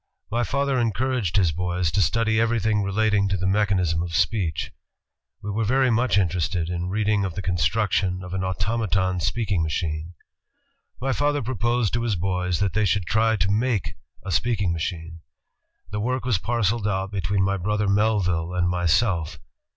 My father encouraged his boys to study everything relating to the mechanism of speech. We were very much interested in reading of the construc tion of an automaton speaking machine. ... "My father proposed to his boys that they should try to make a speaking machine. ... The work was parceled out between my brother Melville and myself.